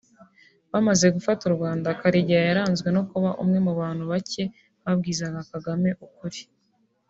Bamaze gufata u Rwanda Karegeya yaranzwe no kuba umwe mu bantu bacye babwizaga Kagame ukuri